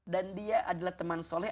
dan dia adalah teman soleh